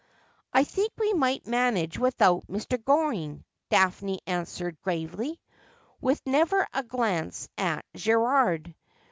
'I think we might manage without Mr. Goring,' Daphne answered gravely, with never a glance at Gerald.